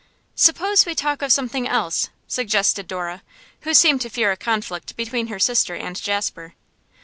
'Suppose we talk of something else,' suggested Dora, who seemed to fear a conflict between her sister and Jasper.